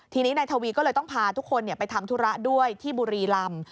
ทีนี้นายทวีก็เลยต้องพาทุกคนไปทำธุระด้วยที่บุรีลำ